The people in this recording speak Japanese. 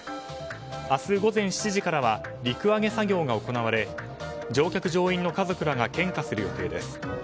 明日午前７時からは陸揚げ作業が行われ乗客・乗員の家族が献花する予定です。